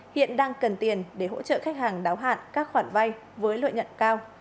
hiện đang cần tiền để hỗ trợ khách hàng đáo hạn các khoản vay với lợi nhuận cao